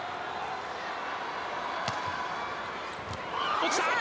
落ちた！